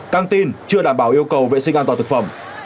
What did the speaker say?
căng tin chưa đảm bảo yêu cầu vệ sinh an toàn thực phẩm